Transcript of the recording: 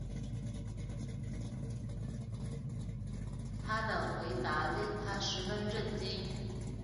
他的回答令她十分震惊